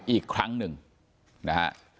อีกครั้งหนึ่งนะฮะ